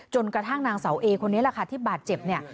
กระทั่งนางเสาเอคนนี้แหละค่ะที่บาดเจ็บเนี่ย